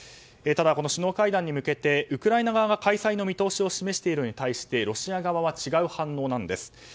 ただ、この首脳会談に向けてウクライナ側が開催の見通しを示しているのに対してロシア側は違う反応なんです。